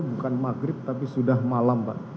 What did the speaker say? bukan maghrib tapi sudah malam pak